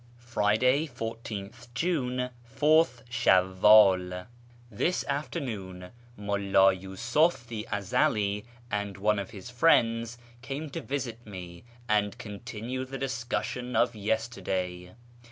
Friday, l ith June, Ath Shaivvx'd, — This afternoon Mulla Yiisuf the Ezeli and one of his friends came to visit me and continue the discussion of yesterday.